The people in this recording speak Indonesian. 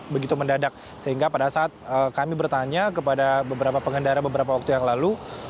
begitu mendadak sehingga pada saat kami bertanya kepada beberapa pengendara beberapa waktu yang lalu